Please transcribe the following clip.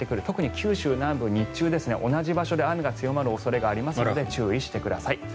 特に九州南部は日中同じ場所で雨が強まる恐れがありますので注意してください。